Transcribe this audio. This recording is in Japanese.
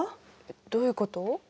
どういうこと？